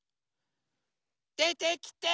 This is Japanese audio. でてきて！